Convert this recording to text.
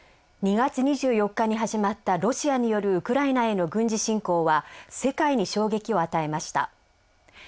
２月２４日に始まったロシアによるウクライナへの軍事侵攻は世界に衝撃を与えました。